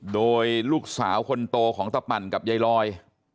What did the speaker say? โดยลูกสาวคนโตของตะปั่นกับยายลอย